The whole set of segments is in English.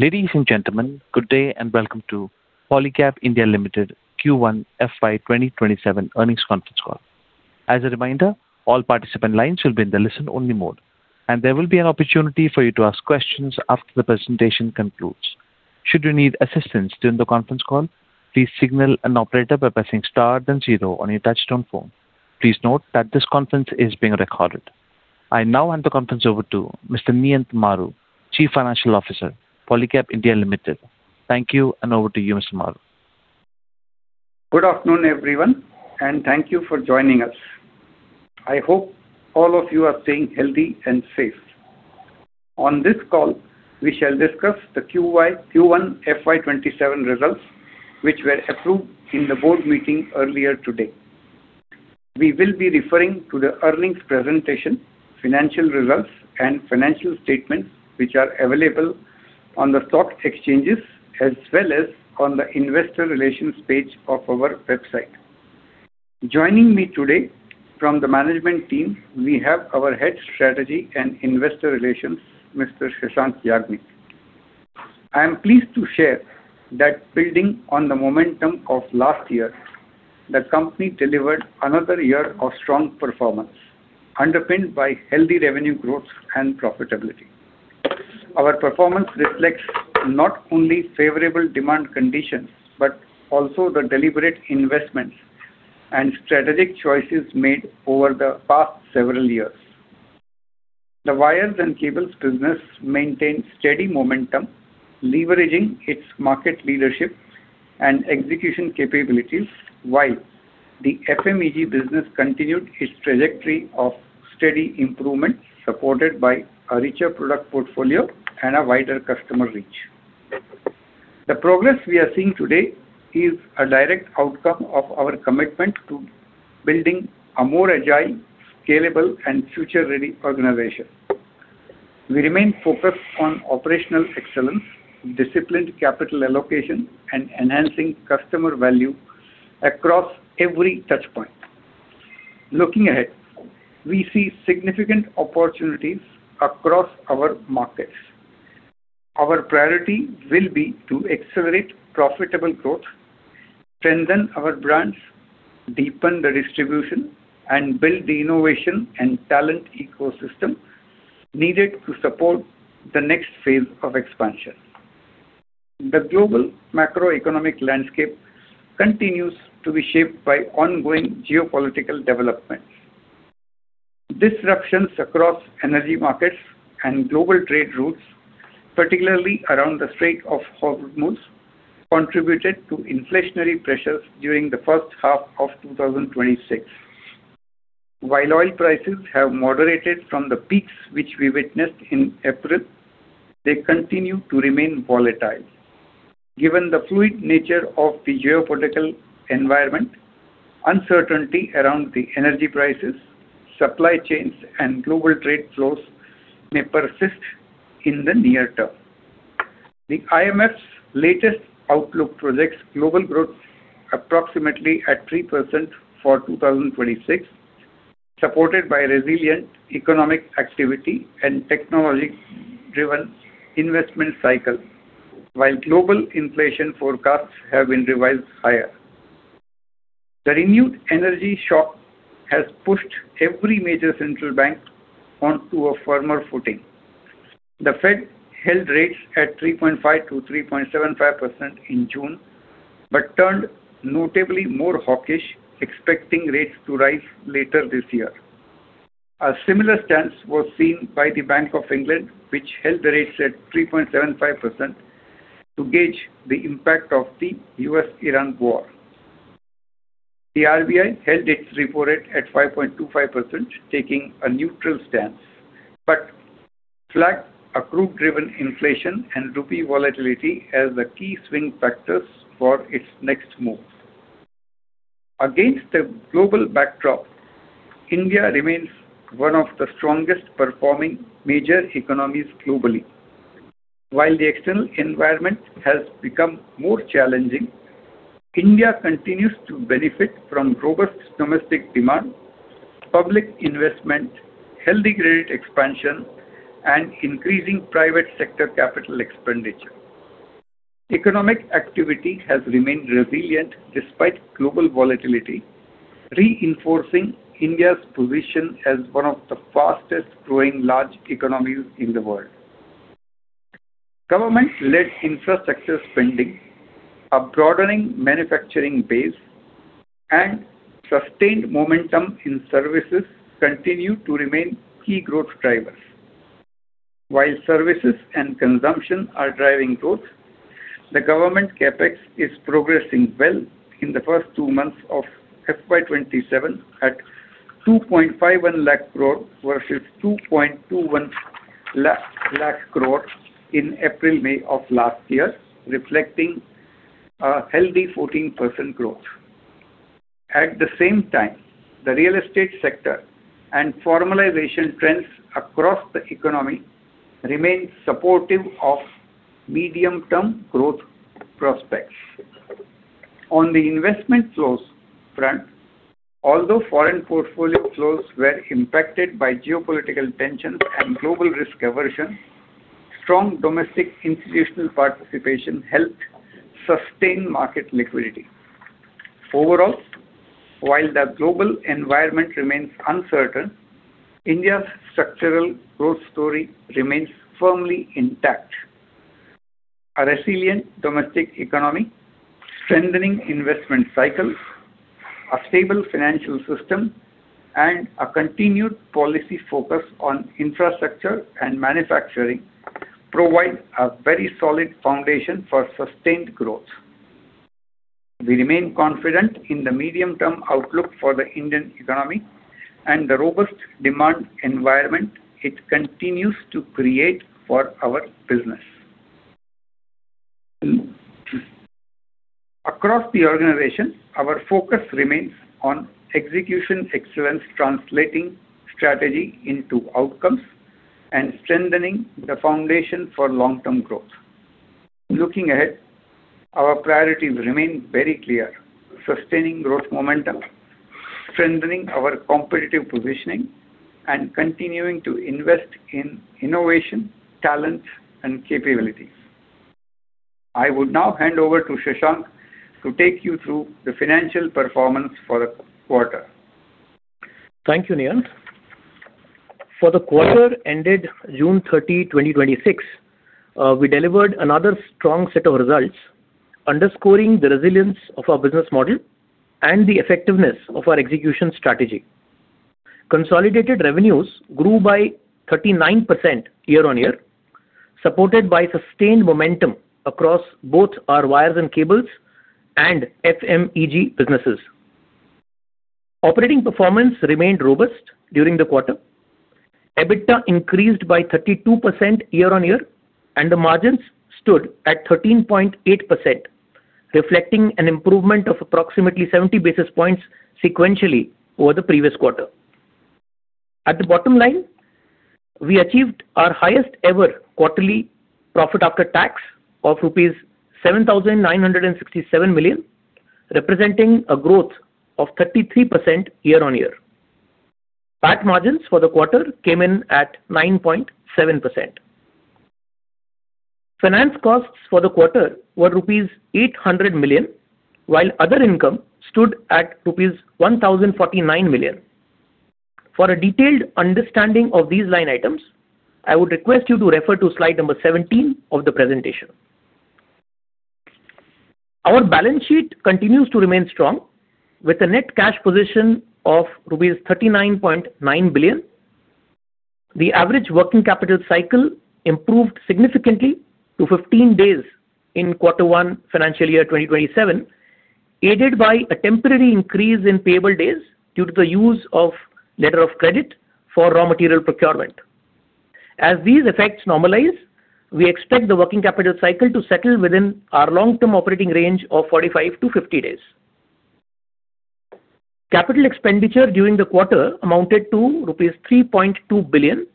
Ladies and gentlemen, good day and welcome to Polycab India Limited Q1 FY 2027 Earnings Conference Call. As a reminder, all participant lines will be in the listen only mode, and there will be an opportunity for you to ask questions after the presentation concludes. Should you need assistance during the conference call, please signal an operator by pressing star then zero on your touchtone phone. Please note that this conference is being recorded. I now hand the conference over to Mr. Niyant Maru, Chief Financial Officer, Polycab India Limited. Thank you, and over to you, Mr. Maru. Good afternoon, everyone, and thank you for joining us. I hope all of you are staying healthy and safe. On this call, we shall discuss the Q1 FY 2027 results, which were approved in the board meeting earlier today. We will be referring to the earnings presentation, financial results, and financial statements, which are available on the stock exchanges as well as on the investor relations page of our website. Joining me today from the management team, we have our Head Strategy and Investor Relations, Mr. Shashank Yagnik. I am pleased to share that building on the momentum of last year, the company delivered another year of strong performance, underpinned by healthy revenue growth and profitability. Our performance reflects not only favorable demand conditions, but also the deliberate investments and strategic choices made over the past several years. The wires and cables business maintained steady momentum, leveraging its market leadership and execution capabilities, while the FMEG business continued its trajectory of steady improvement, supported by a richer product portfolio and a wider customer reach. The progress we are seeing today is a direct outcome of our commitment to building a more agile, scalable, and future-ready organization. We remain focused on operational excellence, disciplined capital allocation, and enhancing customer value across every touch point. Looking ahead, we see significant opportunities across our markets. Our priority will be to accelerate profitable growth, strengthen our brands, deepen the distribution, and build the innovation and talent ecosystem needed to support the next phase of expansion. The global macroeconomic landscape continues to be shaped by ongoing geopolitical developments. Disruptions across energy markets and global trade routes, particularly around the Strait of Hormuz, contributed to inflationary pressures during the first half of 2026. While oil prices have moderated from the peaks which we witnessed in April, they continue to remain volatile. Given the fluid nature of the geopolitical environment, uncertainty around the energy prices, supply chains, and global trade flows may persist in the near term. The IMF's latest outlook projects global growth approximately at 3% for 2026, supported by resilient economic activity and technology-driven investment cycles, while global inflation forecasts have been revised higher. The renewed energy shock has pushed every major central bank onto a firmer footing. The Fed held rates at 3.5%-3.75% in June, but turned notably more hawkish, expecting rates to rise later this year. A similar stance was seen by the Bank of England, which held the rates at 3.75% to gauge the impact of the U.S.-Iran war. The RBI held its repo rate at 5.25%, taking a neutral stance, flagged a group driven inflation and rupee volatility as the key swing factors for its next move. Against the global backdrop, India remains one of the strongest performing major economies globally. While the external environment has become more challenging, India continues to benefit from robust domestic demand, public investment, healthy credit expansion, and increasing private sector capital expenditure. Economic activity has remained resilient despite global volatility, reinforcing India's position as one of the fastest growing large economies in the world. Government-led infrastructure spending, a broadening manufacturing base, and sustained momentum in services continue to remain key growth drivers. While services and consumption are driving growth, the government CapEx is progressing well in the first two months of FY 2027 at 2.51 lakh crore versus 2.21 lakh crore in April, May of last year, reflecting a healthy 14% growth. At the same time, the real estate sector and formalization trends across the economy remain supportive of medium-term growth prospects. On the investment flows front, although foreign portfolio flows were impacted by geopolitical tensions and global risk aversion, strong domestic institutional participation helped sustain market liquidity. Overall, while the global environment remains uncertain, India's structural growth story remains firmly intact. A resilient domestic economy, strengthening investment cycles, a stable financial system, and a continued policy focus on infrastructure and manufacturing provide a very solid foundation for sustained growth. We remain confident in the medium-term outlook for the Indian economy and the robust demand environment it continues to create for our business. Across the organization, our focus remains on execution excellence, translating strategy into outcomes, and strengthening the foundation for long-term growth. Looking ahead, our priorities remain very clear: sustaining growth momentum, strengthening our competitive positioning, and continuing to invest in innovation, talent, and capabilities. I would now hand over to Shashank to take you through the financial performance for the quarter. Thank you, Niyant. For the quarter ended June 30, 2026, we delivered another strong set of results, underscoring the resilience of our business model and the effectiveness of our execution strategy. Consolidated revenues grew by 39% year-on-year, supported by sustained momentum across both our wires and cables and FMEG businesses. Operating performance remained robust during the quarter. EBITDA increased by 32% year-on-year, and the margins stood at 13.8%, reflecting an improvement of approximately 70 basis points sequentially over the previous quarter. At the bottom line, we achieved our highest ever quarterly profit after tax of rupees 7,967 million, representing a growth of 33% year-on-year. PAT margins for the quarter came in at 9.7%. Finance costs for the quarter were rupees 800 million, while other income stood at rupees 1,049 million. For a detailed understanding of these line items, I would request you to refer to slide number 17 of the presentation. Our balance sheet continues to remain strong with a net cash position of rupees 39.9 billion. The average working capital cycle improved significantly to 15 days in quarter one financial year 2027, aided by a temporary increase in payable days due to the use of letter of credit for raw material procurement. As these effects normalize, we expect the working capital cycle to settle within our long-term operating range of 45-50 days. Capital expenditure during the quarter amounted to rupees 3.2 billion,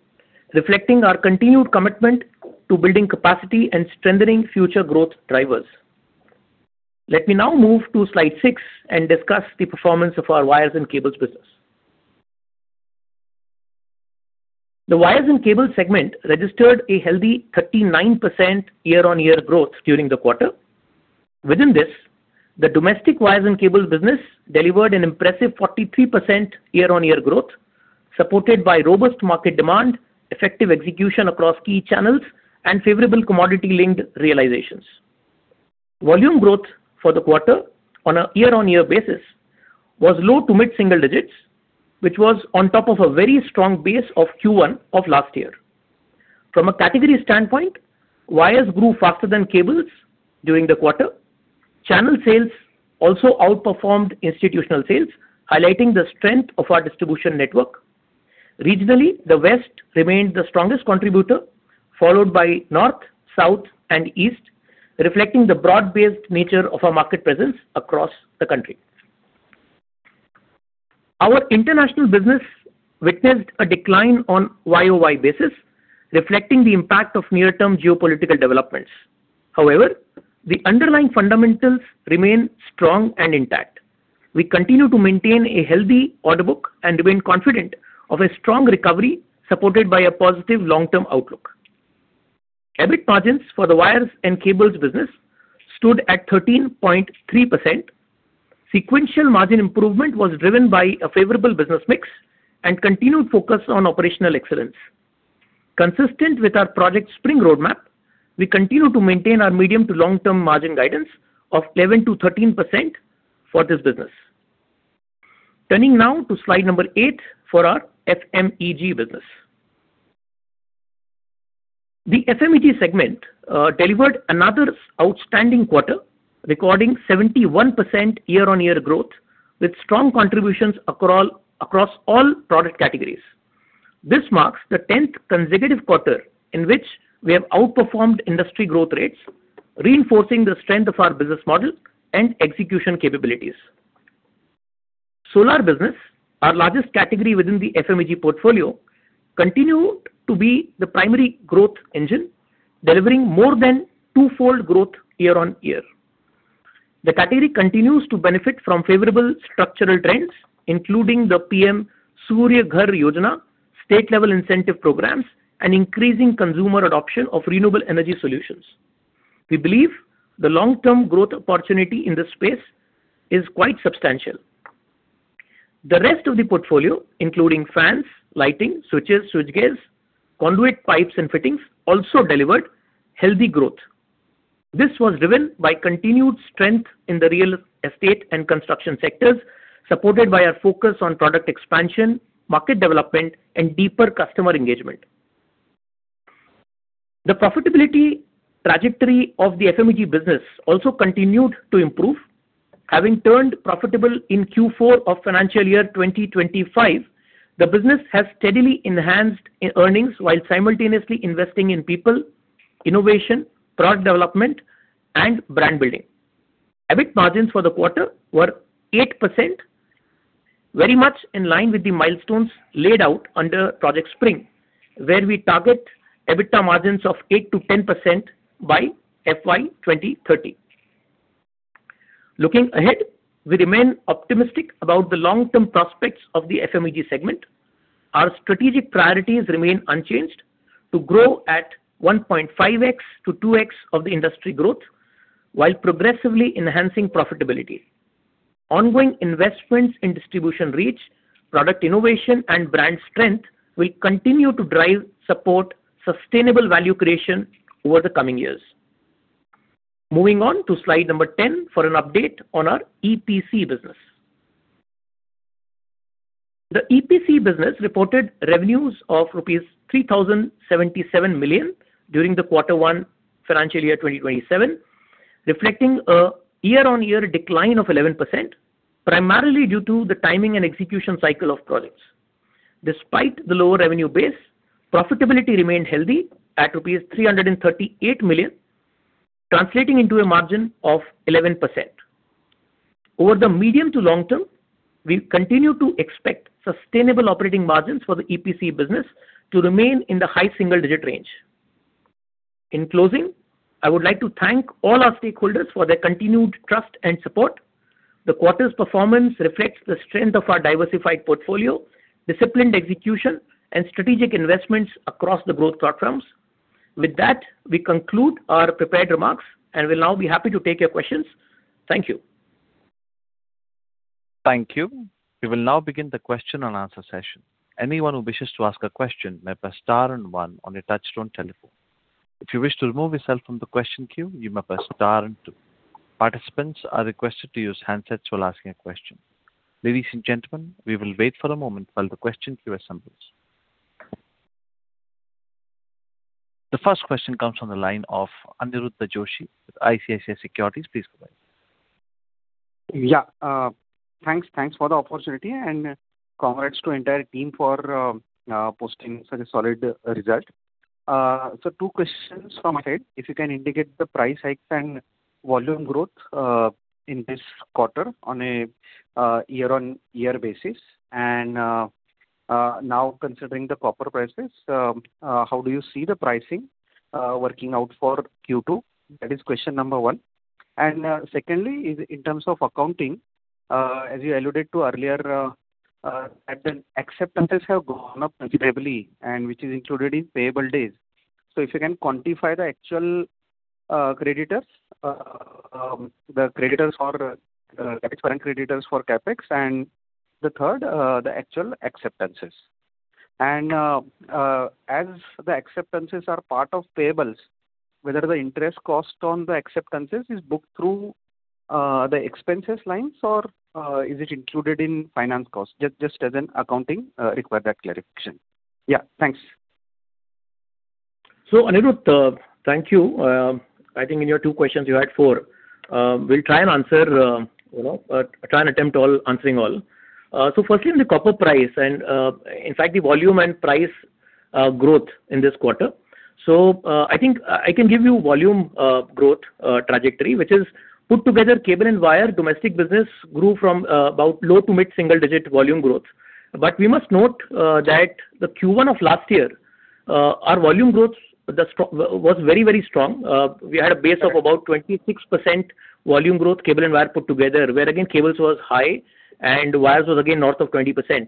reflecting our continued commitment to building capacity and strengthening future growth drivers. Let me now move to slide six and discuss the performance of our wires and cables business. The wires and cables segment registered a healthy 39% year-on-year growth during the quarter. Within this, the domestic wires and cables business delivered an impressive 43% year-on-year growth, supported by robust market demand, effective execution across key channels and favorable commodity linked realizations. Volume growth for the quarter on a year-on-year basis was low to mid single digits, which was on top of a very strong base of Q1 of last year. From a category standpoint, wires grew faster than cables during the quarter. Channel sales also outperformed institutional sales, highlighting the strength of our distribution network. Regionally, the West remained the strongest contributor, followed by North, South, and East, reflecting the broad-based nature of our market presence across the country. Our international business witnessed a decline on YoY basis, reflecting the impact of near-term geopolitical developments. However, the underlying fundamentals remain strong and intact. We continue to maintain a healthy order book and remain confident of a strong recovery supported by a positive long-term outlook. EBIT margins for the wires and cables business stood at 13.3%. Sequential margin improvement was driven by a favorable business mix and continued focus on operational excellence. Consistent with our Project Spring roadmap, we continue to maintain our medium to long-term margin guidance of 11%-13% for this business. Turning now to slide number eight for our FMEG business. The FMEG segment delivered another outstanding quarter, recording 71% year-on-year growth, with strong contributions across all product categories. This marks the 10th consecutive quarter in which we have outperformed industry growth rates, reinforcing the strength of our business model and execution capabilities. Solar business, our largest category within the FMEG portfolio, continued to be the primary growth engine, delivering more than twofold growth year-on-year. The category continues to benefit from favorable structural trends, including the PM Surya Ghar Yojana, state-level incentive programs, and increasing consumer adoption of renewable energy solutions. We believe the long-term growth opportunity in this space is quite substantial. The rest of the portfolio, including fans, lighting, switches, switch gears, conduit pipes, and fittings, also delivered healthy growth. This was driven by continued strength in the real estate and construction sectors, supported by our focus on product expansion, market development, and deeper customer engagement. The profitability trajectory of the FMEG business also continued to improve. Having turned profitable in Q4 of financial year 2025, the business has steadily enhanced earnings while simultaneously investing in people, innovation, product development, and brand building. EBIT margins for the quarter were 8%, very much in line with the milestones laid out under Project Spring, where we target EBITDA margins of 8%-10% by FY 2030. Looking ahead, we remain optimistic about the long-term prospects of the FMEG segment. Our strategic priorities remain unchanged to grow at 1.5x-2x of the industry growth while progressively enhancing profitability. Ongoing investments in distribution reach, product innovation, and brand strength will continue to drive support sustainable value creation over the coming years. Moving on to slide number 10 for an update on our EPC business. The EPC business reported revenues of rupees 3,077 million during the quarter one financial year 2027, reflecting a year-on-year decline of 11%, primarily due to the timing and execution cycle of projects. Despite the lower revenue base, profitability remained healthy at rupees 338 million, translating into a margin of 11%. Over the medium to long term, we continue to expect sustainable operating margins for the EPC business to remain in the high single-digit range. In closing, I would like to thank all our stakeholders for their continued trust and support. The quarter's performance reflects the strength of our diversified portfolio, disciplined execution, and strategic investments across the growth platforms. With that, we conclude our prepared remarks and will now be happy to take your questions. Thank you. Thank you. We will now begin the question and answer session. Anyone who wishes to ask a question may press star one on your touchtone telephone. If you wish to remove yourself from the question queue, you may press star two. Participants are requested to use handsets while asking a question. Ladies and gentlemen, we will wait for a moment while the question queue assembles. The first question comes from the line of Aniruddha Joshi with ICICI Securities. Please go ahead. Thanks for the opportunity and congrats to entire team for posting such a solid result. Two questions from my side, if you can indicate the price hikes and volume growth in this quarter on a year-on-year basis. Now considering the copper prices, how do you see the pricing working out for Q2? That is question number one. Secondly, in terms of accounting, as you alluded to earlier, that the acceptances have gone up considerably, and which is included in payable days. If you can quantify the actual creditors, the current creditors for CapEx. The third, the actual acceptances. As the acceptances are part of payables, whether the interest cost on the acceptances is booked through the expenses lines or is it included in finance cost? Just as an accounting require that clarification. Thanks. Aniruddha, thank you. I think in your two questions, you had four. We'll try and attempt answering all. Firstly on the copper price and, in fact, the volume and price growth in this quarter. I think I can give you volume growth trajectory, which is put together cable and wire domestic business grew from about low to mid single-digit volume growth. We must note that the Q1 of last year, our volume growth was very strong. We had a base of about 26% volume growth, cable and wire put together, where again, cables was high and wires was again north of 20%.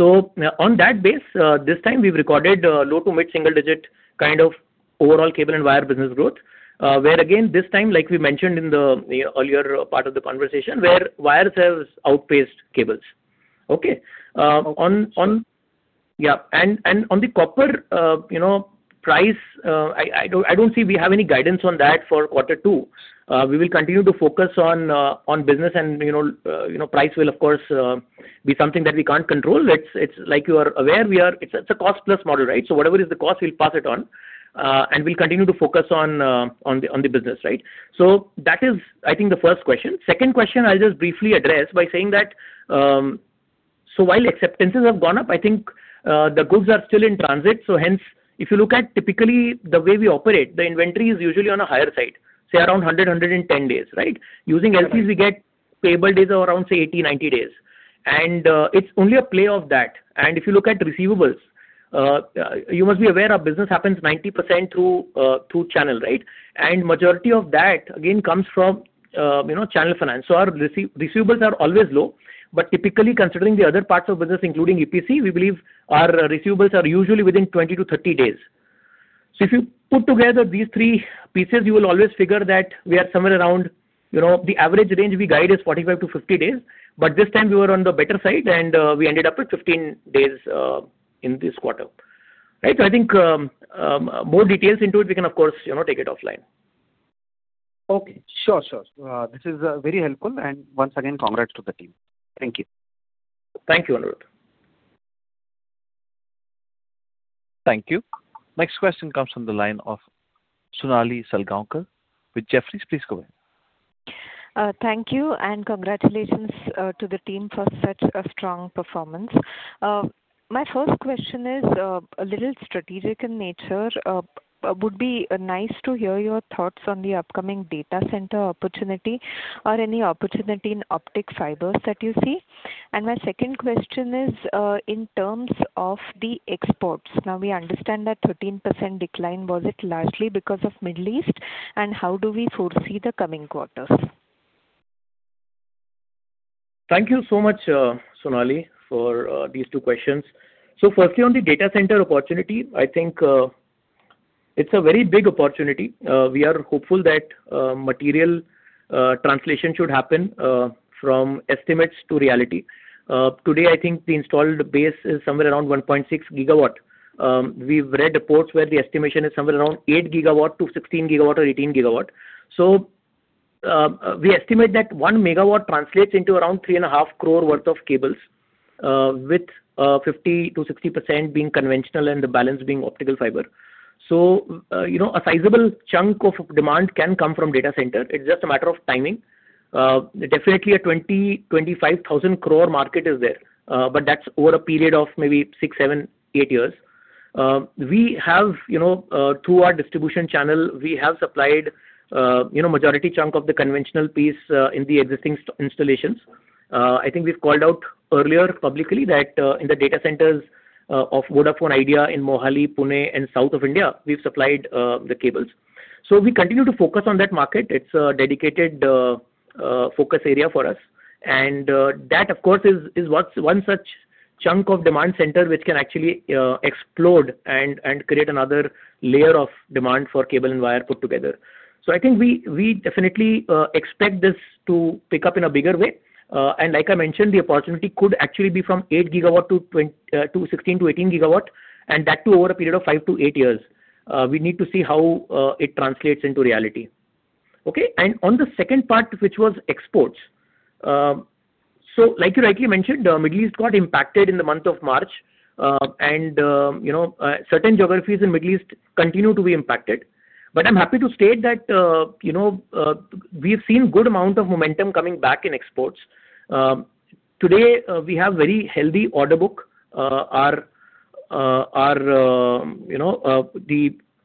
On that base, this time we've recorded low to mid single-digit kind of overall cable and wire business growth. This time, like we mentioned in the earlier part of the conversation, wires have outpaced cables. On the copper price, I don't see we have any guidance on that for quarter two. We will continue to focus on business and price will, of course, be something that we can't control. Like you are aware, it's a cost-plus model, right? Whatever is the cost, we'll pass it on, and we'll continue to focus on the business, right? That is, I think, the first question. Second question, I'll just briefly address by saying that while acceptances have gone up, I think the goods are still in transit. Hence, if you look at typically the way we operate, the inventory is usually on a higher side, say around 100, 110 days, right? Using LCs, we get payable days of around, say, 80, 90 days. It's only a play of that. If you look at receivables, you must be aware our business happens 90% through channel, right? Majority of that again comes from channel finance. Our receivables are always low, but typically considering the other parts of business, including EPC, we believe our receivables are usually within 20 to 30 days. If you put together these three pieces, you will always figure that we are somewhere around, the average range we guide is 45-50 days, but this time we were on the better side, and we ended up at 15 days in this quarter. Right. I think more details into it, we can of course take it offline. Okay. Sure. This is very helpful, and once again, congrats to the team. Thank you. Thank you, Aniruddha. Thank you. Next question comes from the line of Sonali Salgaonkar with Jefferies. Please go ahead. Thank you. Congratulations to the team for such a strong performance. My first question is a little strategic in nature. It would be nice to hear your thoughts on the upcoming data center opportunity or any opportunity in optical fibers that you see. My second question is, in terms of the exports. Now we understand that 13% decline, was it largely because of Middle East, and how do we foresee the coming quarters? Thank you so much, Sonali, for these two questions. Firstly, on the data center opportunity, I think it's a very big opportunity. We are hopeful that material translation should happen from estimates to reality. Today, I think the installed base is somewhere around 1.6 GW. We've read reports where the estimation is somewhere around 8 GW to 16 GW or 18 GW. We estimate that 1 MW translates into around 3.5 crore worth of cables, with 50%-60% being conventional and the balance being optical fiber. A sizable chunk of demand can come from data center. It's just a matter of timing. Definitely a 20,000 crore-25,000 crore market is there, but that's over a period of maybe six, seven, eight years. Through our distribution channel, we have supplied majority chunk of the conventional piece in the existing installations. I think we've called out earlier publicly that in the data centers of Vodafone Idea in Mohali, Pune, and South of India, we've supplied the cables. We continue to focus on that market. It's a dedicated focus area for us. That, of course, is one such chunk of demand center which can actually explode and create another layer of demand for cable and wire put together. I think we definitely expect this to pick up in a bigger way. Like I mentioned, the opportunity could actually be from 8 GW to 16 GW-18 GW, and that too, over a period of five-eight years. We need to see how it translates into reality. On the second part, which was exports. Like you rightly mentioned, Middle East got impacted in the month of March. Certain geographies in Middle East continue to be impacted. I'm happy to state that we've seen good amount of momentum coming back in exports. Today, we have very healthy order book. The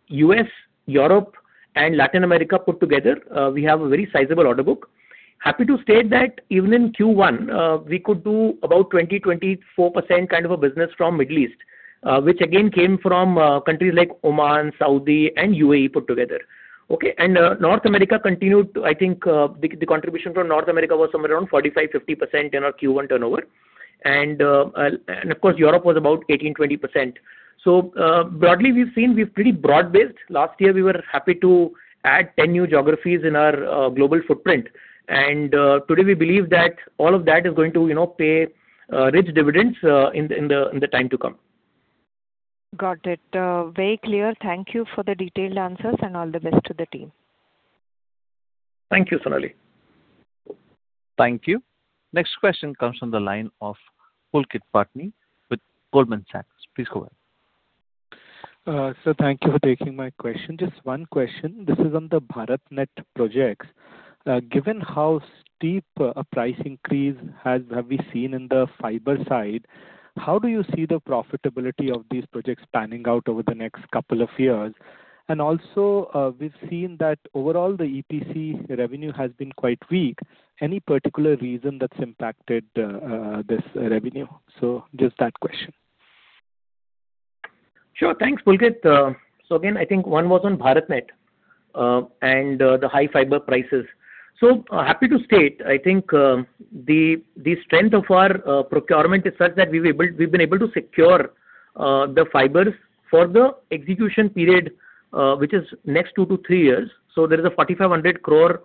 U.S., Europe, and Latin America put together, we have a very sizable order book. Happy to state that even in Q1, we could do about 20%-24% kind of a business from Middle East, which again came from countries like Oman, Saudi, and UAE put together. North America continued to, I think the contribution from North America was somewhere around 45-50% in our Q1 turnover. Of course, Europe was about 18%-20%. Broadly, we've seen we're pretty broad-based. Last year, we were happy to add 10 new geographies in our global footprint. Today, we believe that all of that is going to pay rich dividends in the time to come. Got it. Very clear. Thank you for the detailed answers, all the best to the team. Thank you, Sonali. Thank you. Next question comes from the line of Pulkit Patni with Goldman Sachs. Please go ahead. Sir, thank you for taking my question. Just one question. This is on the BharatNet projects. Given how steep a price increase have we seen in the fiber side, how do you see the profitability of these projects panning out over the next couple of years? We've seen that overall, the EPC revenue has been quite weak. Any particular reason that's impacted this revenue? Just that question. Sure. Thanks, Pulkit. Again, I think one was on BharatNet and the high fiber prices. Happy to state, I think the strength of our procurement is such that we've been able to secure the fibers for the execution period, which is next two to three years. There is an 4,500 crore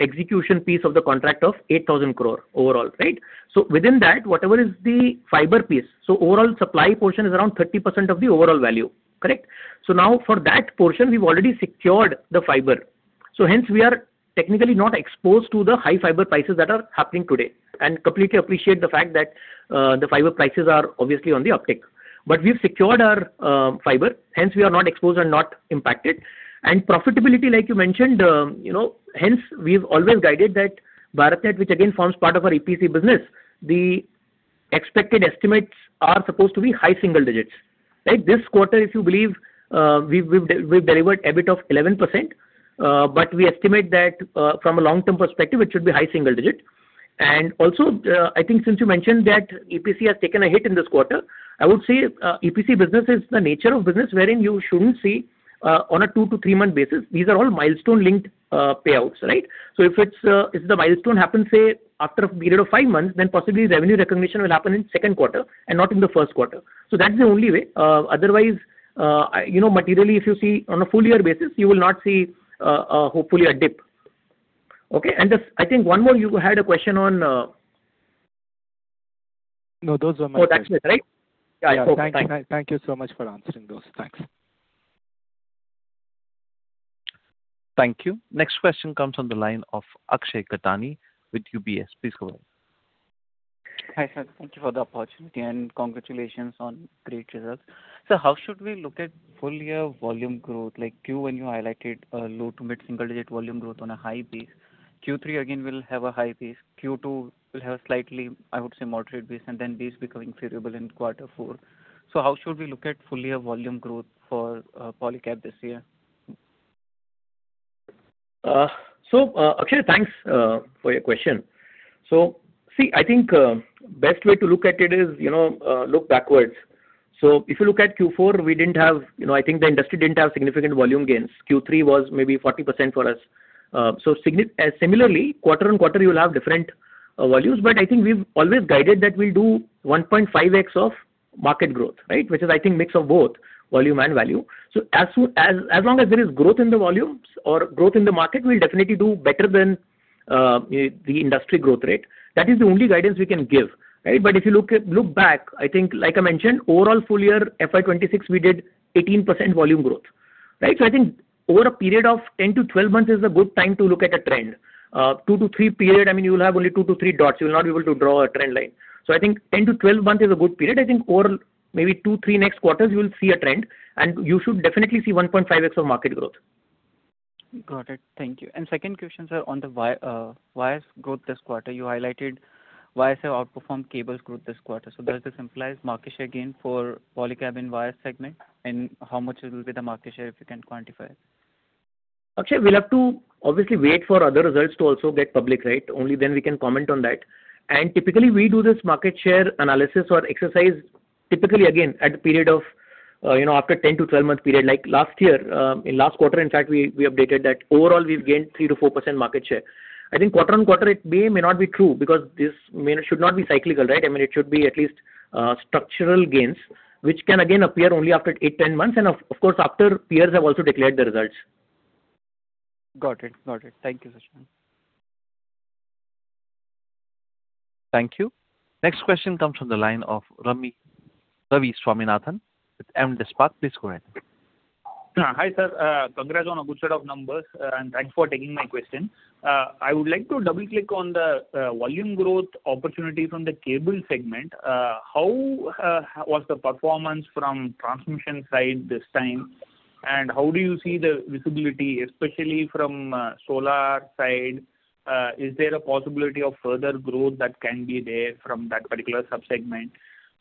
execution piece of the contract of 8,000 crore overall, right? Within that, whatever is the fiber piece. Overall supply portion is around 30% of the overall value. Correct? Now for that portion, we've already secured the fiber. Hence we are technically not exposed to the high fiber prices that are happening today, and completely appreciate the fact that the fiber prices are obviously on the uptick. We've secured our fiber, hence we are not exposed and not impacted. Profitability, like you mentioned, hence we've always guided that BharatNet, which again forms part of our EPC business, the expected estimates are supposed to be high single digits. This quarter, if you believe, we've delivered EBIT of 11%, but we estimate that from a long-term perspective, it should be high single digit. Also, I think since you mentioned that EPC has taken a hit in this quarter, I would say EPC business is the nature of business wherein you shouldn't see on a two to three-month basis. These are all milestone-linked payouts. If the milestone happens, say, after a period of five months, then possibly revenue recognition will happen in second quarter and not in the first quarter. That's the only way. Otherwise, materially, if you see on a full year basis, you will not see, hopefully, a dip. Just, I think one more, you had a question on? No, those were my questions. Oh, that's it, right? Yeah. Thank you so much for answering those. Thanks. Thank you. Next question comes on the line of Akshay Gattani with UBS. Please go ahead. Hi, sir. Thank you for the opportunity and congratulations on great results. Sir, how should we look at full year volume growth? Like Q1 you highlighted a low to mid-single digit volume growth on a high base. Q3 again will have a high base. Q2 will have slightly, I would say, moderate base and then base becoming favorable in quarter four. How should we look at full year volume growth for Polycab this year? Akshay, thanks for your question. See, I think best way to look at it is look backwards. If you look at Q4, I think the industry didn't have significant volume gains. Q3 was maybe 40% for us. Similarly, quarter on quarter you will have different volumes, but I think we've always guided that we'll do 1.5x of market growth. Which is, I think, mix of both volume and value. As long as there is growth in the volumes or growth in the market, we'll definitely do better than the industry growth rate. That is the only guidance we can give. If you look back, I think like I mentioned, overall full year FY 2026, we did 18% volume growth. I think over a period of 10-12 months is a good time to look at a trend. Two to three period, you will have only two to three dots. You will not be able to draw a trend line. I think 10-12 months is a good period. I think over maybe two, three next quarters, you will see a trend, and you should definitely see 1.5x of market growth. Got it. Thank you. Second question, sir, on the wires growth this quarter. You highlighted wires have outperformed cables growth this quarter. Does this implies market share gain for Polycab in wire segment? How much will be the market share, if you can quantify it? Akshay, we'll have to obviously wait for other results to also get public, right? Only then we can comment on that. Typically, we do this market share analysis or exercise typically again, after 10-12 month period. Like last year, in last quarter, in fact, we updated that overall we've gained 3%-4% market share. I think quarter-on-quarter it may or may not be true because this should not be cyclical. It should be at least structural gains, which can again appear only after 8-10 months and of course after peers have also declared the results. Got it. Thank you so much. Thank you. Next question comes from the line of Ravi Swaminathan with Avendus Spark. Please go ahead. Hi, sir. Congrats on a good set of numbers, and thanks for taking my question. I would like to double-click on the volume growth opportunity from the cable segment. How was the performance from transmission side this time, and how do you see the visibility, especially from solar side? Is there a possibility of further growth that can be there from that particular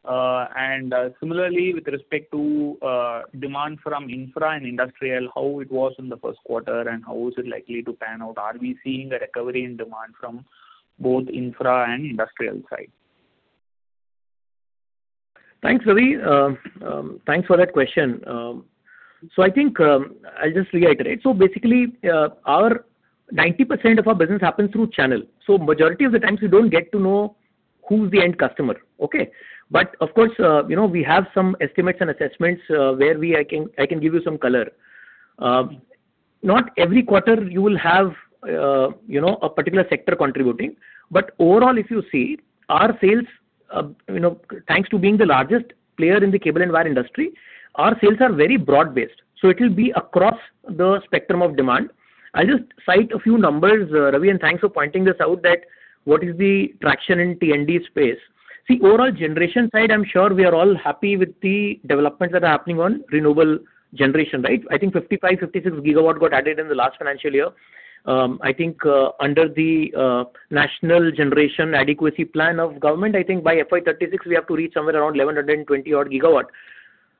sub-segment? Similarly, with respect to demand from infra and industrial, how it was in the first quarter, and how is it likely to pan out? Are we seeing a recovery in demand from both infra and industrial side? Thanks, Ravi. Thanks for that question. I think I'll just reiterate. Basically, 90% of our business happens through channel. Majority of the times we don't get to know who's the end customer. Okay. But of course, we have some estimates and assessments, where I can give you some color. Not every quarter you will have a particular sector contributing. But overall if you see, thanks to being the largest player in the cable and wire industry, our sales are very broad-based. It will be across the spectrum of demand. I'll just cite a few numbers, Ravi, and thanks for pointing this out that what is the traction in T&D space. See, overall generation side, I'm sure we are all happy with the developments that are happening on renewable generation. I think 55 GW, 56 GW got added in the last financial year. I think under the national generation adequacy plan of government, I think by FY 2036, we have to reach somewhere around 1,120 GW odd,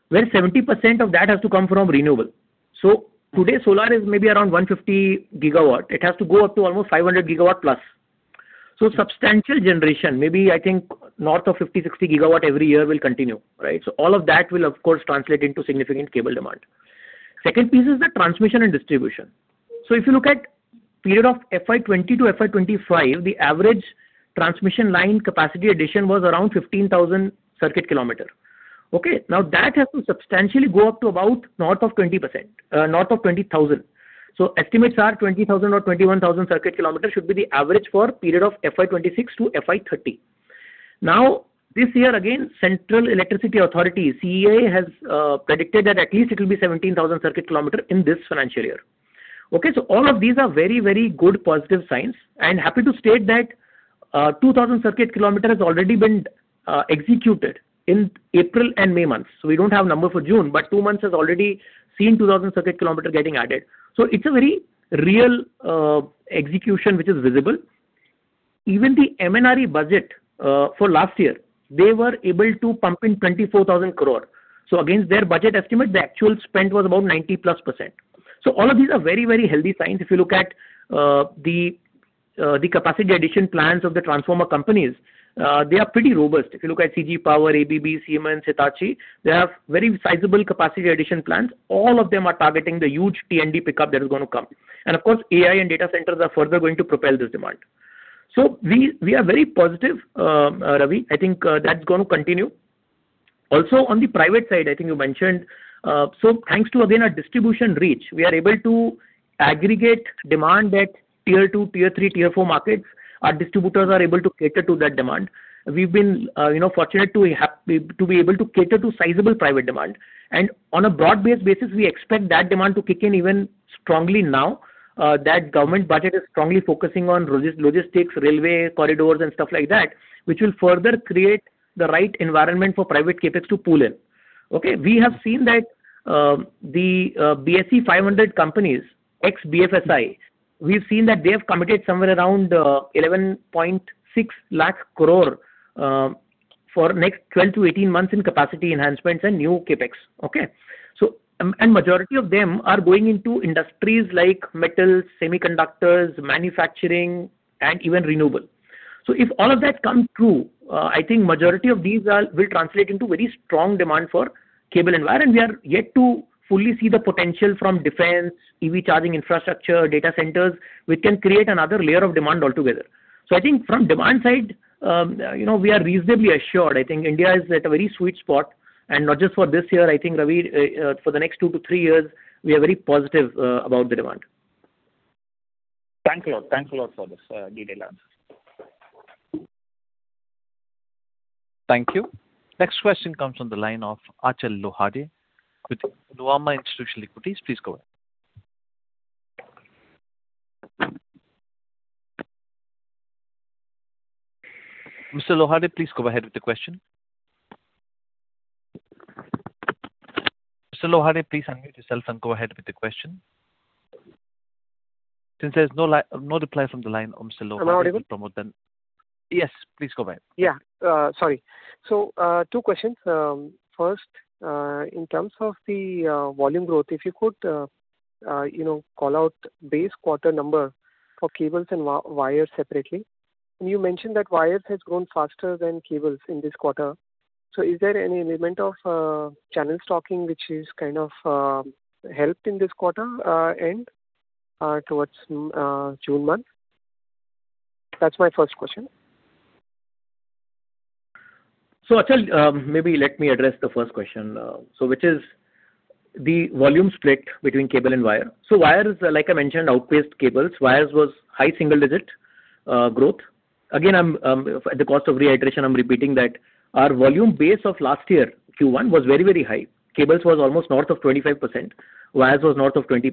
where 70% of that has to come from renewable. Today, solar is maybe around 150 GW. It has to go up to almost +500 GW. Substantial generation, maybe I think north of 50 GW, 60 GW every year will continue. All of that will of course translate into significant cable demand. Second piece is the transmission and distribution. If you look at period of FY 2020 to FY 2025, the average transmission line capacity addition was around 15,000 circuit kilometer. Now that has to substantially go up to about north of 20,000. Estimates are 20,000 or 21,000 circuit kilometer should be the average for period of FY 2026 to FY 2030. Now this year again, Central Electricity Authority, CEA, has predicted that at least it will be 17,000 circuit kilometer in this financial year. Okay, all of these are very good positive signs and happy to state that 2,000 circuit kilometer has already been executed in April and May months. We don't have number for June, but two months has already seen 2,000 circuit kilometer getting added. It's a very real execution which is visible. Even the MNRE budget for last year, they were able to pump in 24,000 crore. Against their budget estimate, the actual spend was about +90%. All of these are very healthy signs. If you look at the capacity addition plans of the transformer companies, they are pretty robust. If you look at CG Power, ABB, Siemens, Hitachi, they have very sizable capacity addition plans. All of them are targeting the huge T&D pickup that is going to come. Of course, AI and data centers are further going to propel this demand. We are very positive, Ravi. I think that's going to continue. On the private side, I think you mentioned, thanks to again our distribution reach, we are able to aggregate demand at Tier 2, Tier 3, Tier 4 markets. Our distributors are able to cater to that demand. We've been fortunate to be able to cater to sizable private demand. On a broad-based basis, we expect that demand to kick in even strongly now, that government budget is strongly focusing on logistics, railway corridors and stuff like that, which will further create the right environment for private CapEx to pull in. We have seen that the BSE 500 companies, ex BFSI, we've seen that they have committed somewhere around 11.6 lakh crore for next 12-18 months in capacity enhancements and new CapEx. Majority of them are going into industries like metals, semiconductors, manufacturing, and even renewable. If all of that comes true, I think majority of these will translate into very strong demand for cable and wire. We are yet to fully see the potential from defense, EV charging infrastructure, data centers, which can create another layer of demand altogether. I think from demand side, we are reasonably assured. I think India is at a very sweet spot, and not just for this year, I think, Ravi, for the next two-three years, we are very positive about the demand. Thanks a lot for this detailed answer. Thank you. Next question comes from the line of Achal Lohade with Nuvama Institutional Equities. Please go ahead. Mr. Lohade, please go ahead with the question. Mr. Lohade, please unmute yourself and go ahead with the question. Since there's no reply from the line, I'm assuming Am I audible? Yes, please go ahead. Sorry. two questions. First, in terms of the volume growth, if you could call out base quarter number for cables and wires separately. You mentioned that wires has grown faster than cables in this quarter. Is there any element of channel stocking which is kind of helped in this quarter end towards June month? That's my first question. Achal, maybe let me address the first question, which is the volume split between cable and wire. Wire is, like I mentioned, outpaced cables. Wires was high single digit growth. Again, at the cost of reiteration, I'm repeating that our volume base of last year Q1 was very high. Cables was almost north of 25%. Wires was north of 20%.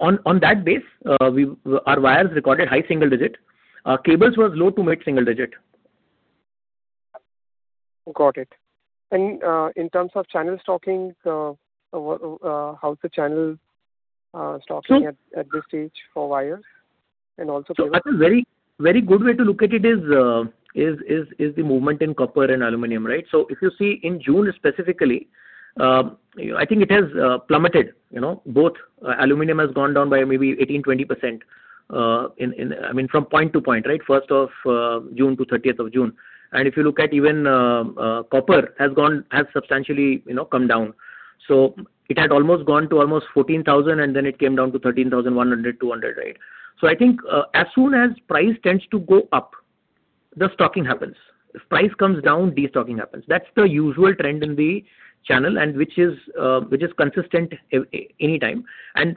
On that base, our wires recorded high single digit. Cables was low to mid single digit. Got it. In terms of channel stocking, how's the channel stocking at this stage for wires and also cables. Achal, very good way to look at it is the movement in copper and aluminum, right? If you see in June specifically, I think it has plummeted. Both aluminum has gone down by maybe 18%-20%, from point to point. 1st of June to 30th of June. If you look at even copper has substantially come down. It had almost gone to almost 14,000, and then it came down to 13,100, 13,200, right? I think as soon as price tends to go up, the stocking happens. If price comes down, destocking happens. That's the usual trend in the channel and which is consistent anytime. Hence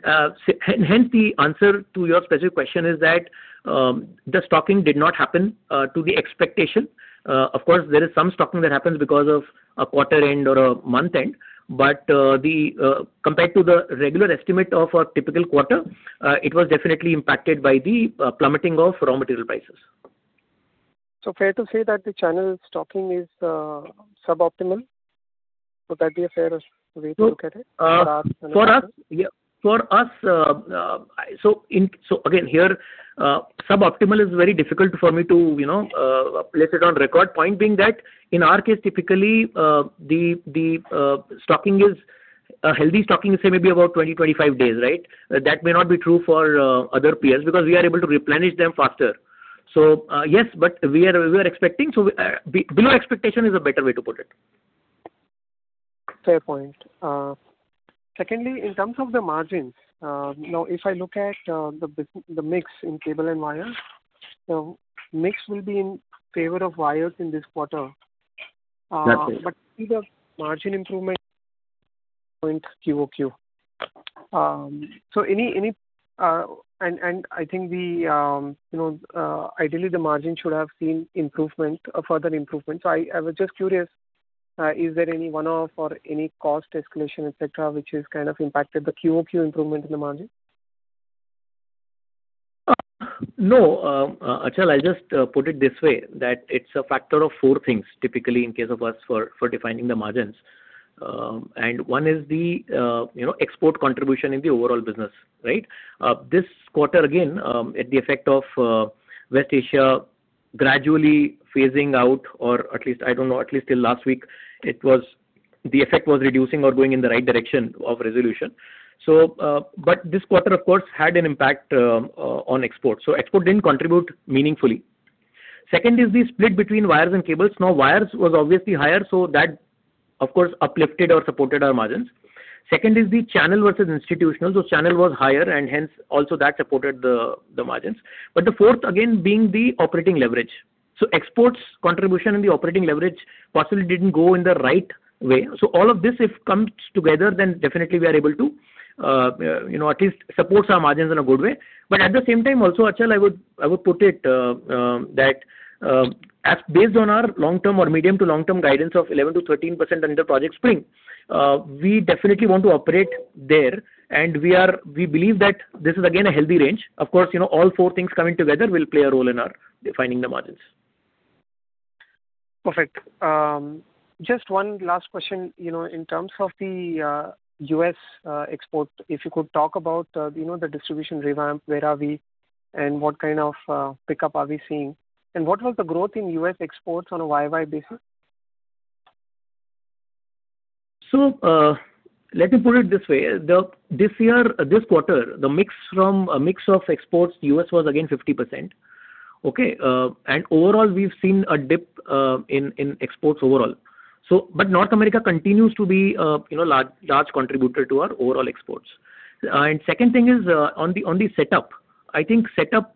the answer to your specific question is that the stocking did not happen to the expectation. Of course, there is some stocking that happens because of a quarter end or a month end, compared to the regular estimate of a typical quarter, it was definitely impacted by the plummeting of raw material prices. Fair to say that the channel stocking is suboptimal? Would that be a fair way to look at it? For us, again, here suboptimal is very difficult for me to place it on record. Point being that in our case, typically a healthy stocking is say maybe about 20-25 days, right? That may not be true for other peers because we are able to replenish them faster. Yes, but we are expecting. Below expectation is a better way to put it. Fair point. Secondly, in terms of the margins, now if I look at the mix in cable and wire, mix will be in favor of wires in this quarter. Exactly. Will the margin improvement go in QoQ? I think ideally the margin should have seen further improvement. I was just curious. Is there any one-off or any cost escalation, etc., which has kind of impacted the QoQ improvement in the margin? No. Achal, I'll just put it this way, that it's a factor of four things, typically in case of us, for defining the margins. One is the export contribution in the overall business. Right? This quarter again, at the effect of West Asia gradually phasing out or at least, I don't know, at least till last week, the effect was reducing or going in the right direction of resolution. This quarter, of course, had an impact on export. Export didn't contribute meaningfully. Second is the split between wires and cables. Wires was obviously higher, that, of course, uplifted or supported our margins. Second is the channel versus institutional. Channel was higher, and hence also that supported the margins. The fourth again being the operating leverage. Exports contribution in the operating leverage possibly didn't go in the right way. All of this, if comes together, then definitely we are able to at least support our margins in a good way. At the same time also, Achal, I would put it that, as based on our long term or medium to long term guidance of 11%-13% under Project Spring, we definitely want to operate there, and we believe that this is again a healthy range. Of course, all four things coming together will play a role in our defining the margins. Perfect. Just one last question. In terms of the U.S. export, if you could talk about the distribution revamp, where are we, and what kind of pickup are we seeing? And what was the growth in U.S. exports on a YoY basis? let me put it this way. This quarter, the mix of exports, U.S. was again 50%. Okay? Overall, we've seen a dip in exports overall. North America continues to be a large contributor to our overall exports. Second thing is, on the setup, I think setup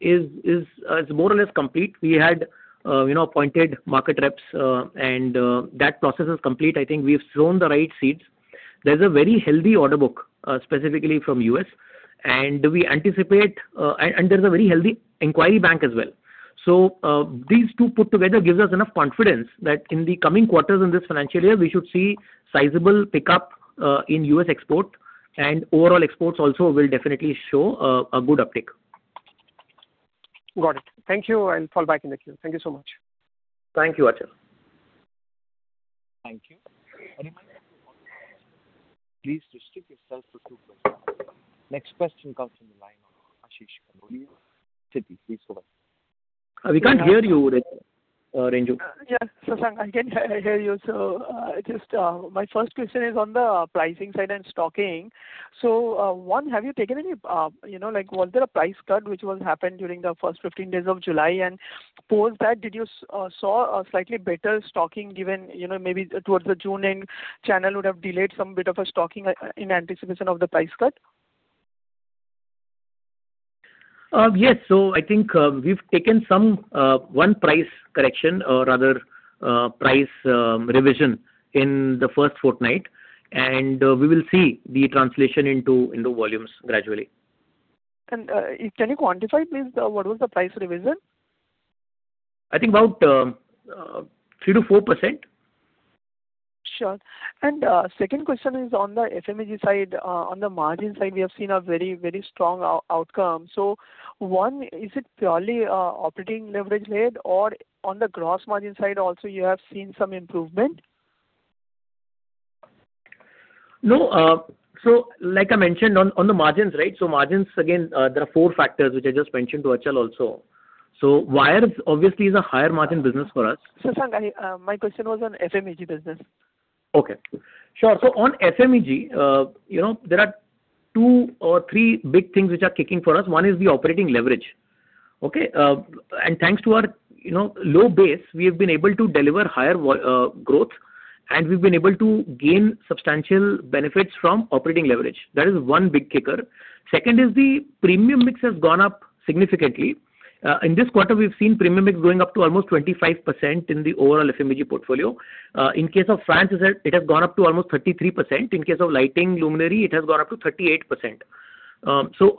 is more or less complete. We had appointed market reps, and that process is complete. I think we've sown the right seeds. There's a very healthy order book, specifically from U.S., and there's a very healthy inquiry bank as well. These two put together gives us enough confidence that in the coming quarters in this financial year, we should see sizable pickup in U.S. export, and overall exports also will definitely show a good uptick. Got it. Thank you, and fall back in the queue. Thank you so much. Thank you, Achal. Thank you. A reminder to all participants, please restrict yourself to two questions. Next question comes from the line of Ashish Kanodia, Citi. Please go ahead. We can't hear you, Yes. I can hear you. My first question is on the pricing side and stocking. One, was there a price cut which was happened during the first 15 days of July? Post that, did you saw a slightly better stocking given maybe towards the June end, channel would have delayed some bit of a stocking in anticipation of the price cut? Yes. I think we've taken one price correction or rather, price revision in the first fortnight, and we will see the translation into volumes gradually. Can you quantify, please, what was the price revision? I think about 3%-4%. Sure. Second question is on the FMEG side. On the margin side, we have seen a very strong outcome. One, is it purely operating leverage led or on the gross margin side also you have seen some improvement? Like I mentioned on the margins, again, there are four factors which I just mentioned to Achal also. Wires obviously is a higher margin business for us. Shashank, my question was on FMEG business. Okay. Sure. On FMEG, there are two or three big things which are kicking for us. One is the operating leverage. Okay? Thanks to our low base, we have been able to deliver higher growth, and we've been able to gain substantial benefits from operating leverage. That is one big kicker. Second is the premium mix has gone up significantly. In this quarter, we've seen premium mix going up to almost 25% in the overall FMEG portfolio. In case of fans, it has gone up to almost 33%. In case of lighting luminary, it has gone up to 38%.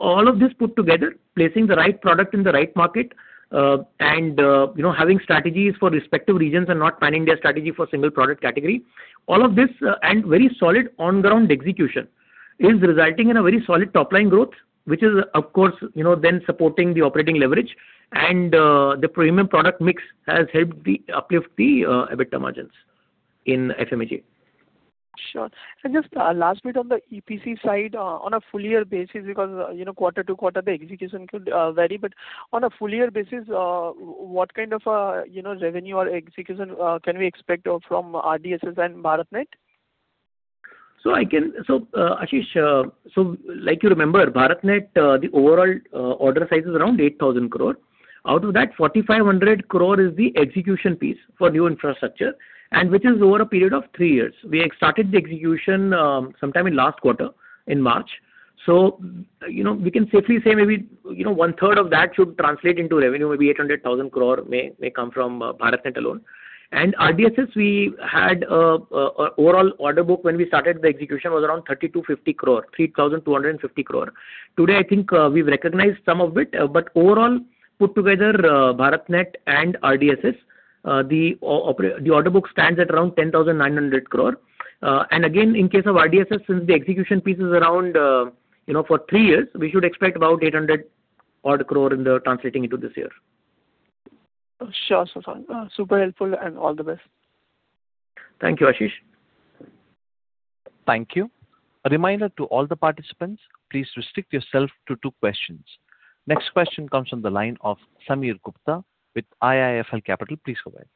All of this put together, placing the right product in the right market, and having strategies for respective regions and not planning their strategy for single product category. All of this and very solid on-ground execution is resulting in a very solid top-line growth, which is of course, then supporting the operating leverage and the premium product mix has helped uplift the EBITDA margins in FMEG. Sure. Just last bit on the EPC side, on a full year basis, because quarter to quarter, the execution could vary. On a full year basis, what kind of revenue or execution can we expect from RDSS and BharatNet? Ashish, like you remember, BharatNet, the overall order size is around 8,000 crore. Out of that, 4,500 crore is the execution piece for new infrastructure, which is over a period of three years. We had started the execution sometime in last quarter in March. We can safely say maybe one third of that should translate into revenue, maybe 800 crore, 1,000 crore may come from BharatNet alone. RDSS, we had overall order book when we started the execution was around 3,250 crore. Today, I think we've recognized some of it. Overall, put together BharatNet and RDSS, the order book stands at around 10,900 crore. Again, in case of RDSS, since the execution piece is around for three years, we should expect about 800 crore odd in the translating into this year. Sure, Shashank. Super helpful, all the best. Thank you, Ashish. Thank you. A reminder to all the participants, please restrict yourself to two questions. Next question comes from the line of Sameer Gupta with IIFL Capital. Please go ahead.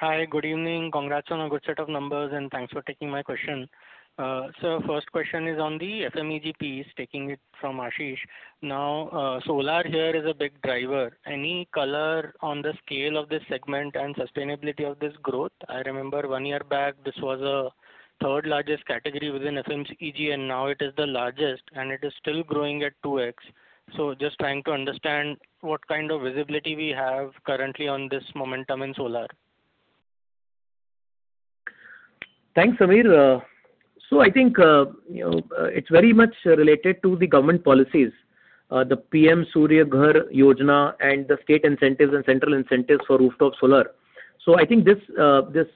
Hi, good evening. Congrats on a good set of numbers, and thanks for taking my question. Sir, first question is on the FMEG piece, taking it from Ashish. Now, solar here is a big driver. Any color on the scale of this segment and sustainability of this growth? I remember one year back, this was a third largest category within FMEG, and now it is the largest, and it is still growing at 2x. Just trying to understand what kind of visibility we have currently on this momentum in solar. Thanks, Sameer. I think, it's very much related to the government policies, the PM Surya Ghar Yojana and the state incentives and central incentives for rooftop solar. I think this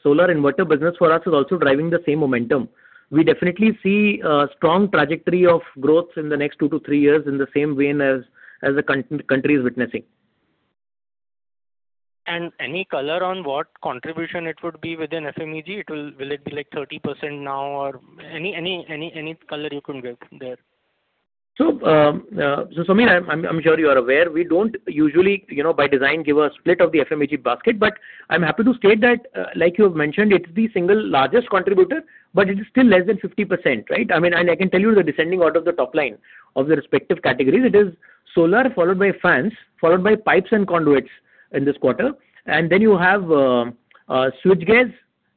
solar inverter business for us is also driving the same momentum. We definitely see a strong trajectory of growth in the next two to three years in the same vein as the country is witnessing. Any color on what contribution it would be within FMEG? Will it be like 30% now or any color you could give there? Sameer, I'm sure you are aware, we don't usually, by design, give a split of the FMEG basket. I'm happy to state that, like you have mentioned, it's the single largest contributor, but it is still less than 50%, right? I mean, and I can tell you the descending order of the top line of the respective categories. It is solar, followed by fans, followed by pipes and conduits in this quarter, and then you have switch gears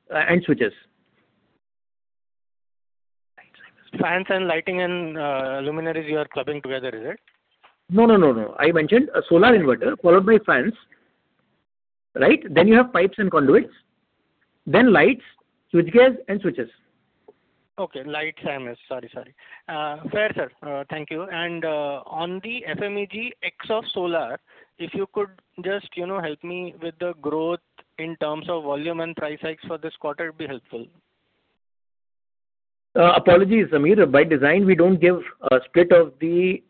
and switches. Fans and lighting and luminaries you are clubbing together, is it? No. I mentioned a solar inverter followed by fans. You have pipes and conduits, then lights, switch gears and switches. Okay. Lights I missed. Sorry. Fair, sir. Thank you. On the FMEG x of solar, if you could just help me with the growth in terms of volume and price hikes for this quarter, it'd be helpful. Apologies, Sameer. By design, we don't give a split of the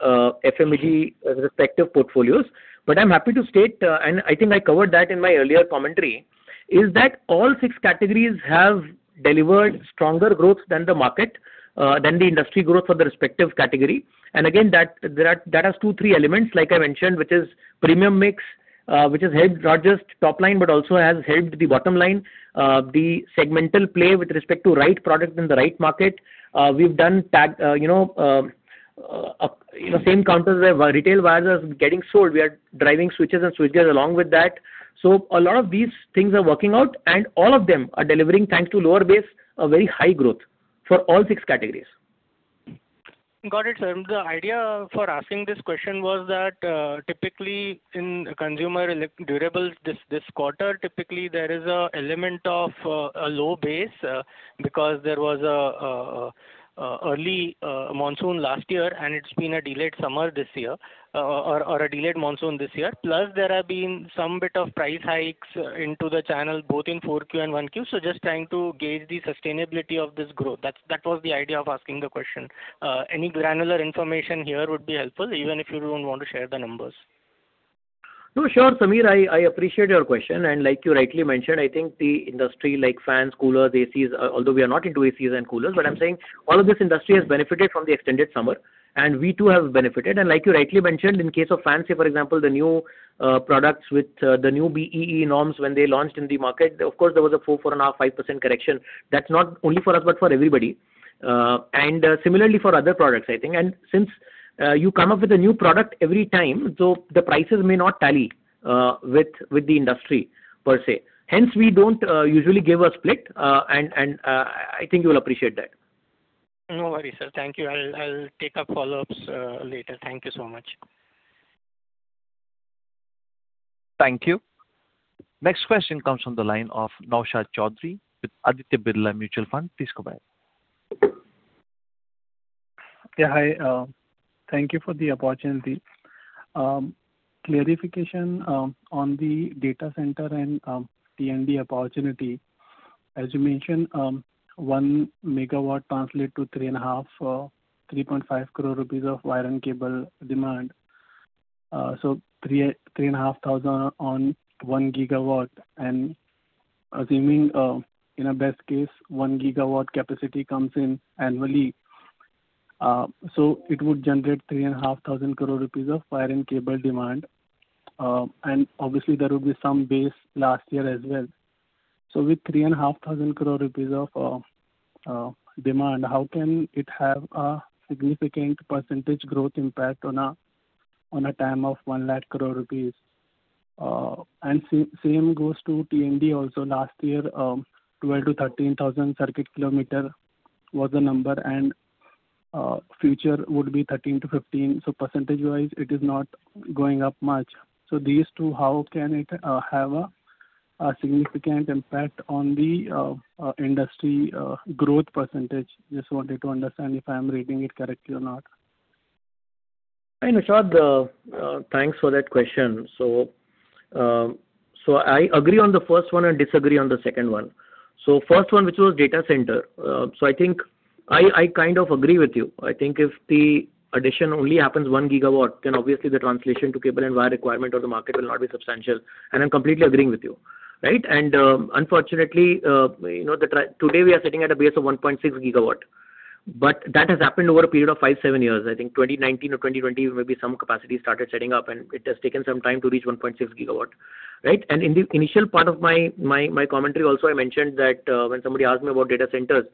FMEG respective portfolios. I'm happy to state, and I think I covered that in my earlier commentary, is that all six categories have delivered stronger growth than the market, than the industry growth for the respective category. Again, that has two, three elements, like I mentioned, which is premium mix, which has helped not just top line, but also has helped the bottom line. The segmental play with respect to right product in the right market. We've done same counters where retail wires are getting sold, we are driving switches and switch gears along with that. A lot of these things are working out, and all of them are delivering, thanks to lower base, a very high growth for all six categories. Got it, sir. The idea for asking this question was that typically in consumer durables this quarter, typically, there is a element of a low base because there was early monsoon last year, and it's been a delayed summer this year or a delayed monsoon this year. Plus, there have been some bit of price hikes into the channel, both in 4Q and 1Q. Just trying to gauge the sustainability of this growth. That was the idea of asking the question. Any granular information here would be helpful, even if you don't want to share the numbers. No, sure, Sameer. I appreciate your question. Like you rightly mentioned, I think the industry like fans, coolers, ACs, although we are not into ACs and coolers, but I'm saying all of this industry has benefited from the extended summer, and we too have benefited. Like you rightly mentioned, in case of fans, say, for example, the new products with the new BEE norms when they launched in the market, of course, there was a 4.5% correction. That's not only for us, but for everybody. Similarly for other products, I think. Since you come up with a new product every time, so the prices may not tally with the industry per se. Hence, we don't usually give a split, and I think you'll appreciate that. No worry, sir. Thank you. I'll take up follow-ups later. Thank you so much. Thank you. Next question comes from the line of Naushad Chaudhary with Aditya Birla Mutual Fund. Please go ahead. Hi. Thank you for the opportunity. Clarification on the data center and T&D opportunity. As you mentioned, 1 MW translate to 3.5 crore rupees of wire and cable demand. 3,500 crore on 1 GW, and assuming, in a best case, 1 GW capacity comes in annually. It would generate 3,500 crore rupees of wire and cable demand. Obviously, there will be some base last year as well. With 3,500 crore rupees of demand, how can it have a significant percentage growth impact on a TAM of 100,000 crore rupees? Same goes to T&D also. Last year, 12,000-13,000 circuit kilometer was the number, and future would be 13,000-15,000. Percentage-wise, it is not going up much. These two, how can it have a significant impact on the industry growth percentage? Just wanted to understand if I'm reading it correctly or not. Hi, Naushad. Thanks for that question. I agree on the first one and disagree on the second one. First one, which was data center. I think I kind of agree with you. I think if the addition only happens 1 GW, then obviously the translation to cable and wire requirement of the market will not be substantial, and I'm completely agreeing with you, right? Unfortunately, today we are sitting at a base of 1.6 GW. That has happened over a period of five, seven years. I think 2019 or 2020, maybe some capacity started setting up, and it has taken some time to reach 1.6 GW, right? In the initial part of my commentary also, I mentioned that when somebody asked me about data centers.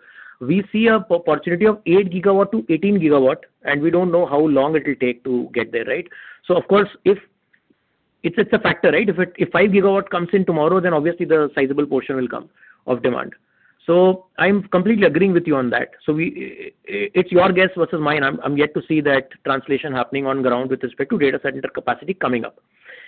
We see a opportunity of 8 GW-18 GW. We don't know how long it will take to get there, right? Of course, it's a factor, right? If 5 GW comes in tomorrow, then obviously the sizable portion will come of demand. I'm completely agreeing with you on that. It's your guess versus mine. I'm yet to see that translation happening on ground with respect to data center capacity coming up.